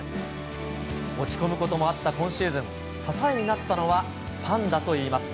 落ち込むこともあった今シーズン、支えになったのはファンだといいます。